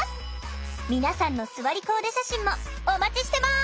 皆さんのすわりコーデ写真もお待ちしてます！